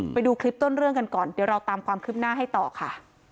ไปดูคลิปต้นเรื่องกันก่อนเดี๋ยวเราตามความคืบหน้าให้ต่อค่ะ